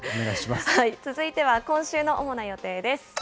続いては今週の主な予定です。